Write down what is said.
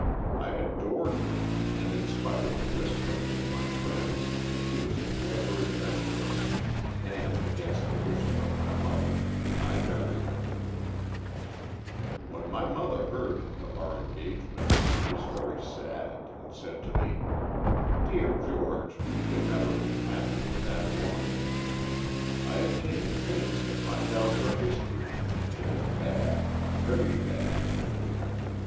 I adored her, and in spite of the whisperings of my friends that she was a clever adventuress, and against the wishes of my mother, I married her. U Stories from the Adirondack^. "When mother heard of our engage ment she was very sad, and said to me: 'Dear George, you can never be happy with that woman. I have taken pains to find out her history and it is bad — very bad.